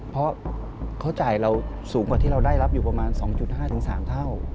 เพราะเขาจ่ายเราสูงกว่าที่เราได้รับอยู่ประมาณ๒๕๓เท่า